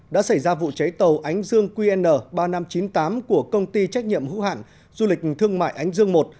đã xảy ra vụ cháy tàu ánh dương qn ba nghìn năm trăm chín mươi tám của công ty trách nhiệm hữu hạn du lịch thương mại ánh dương i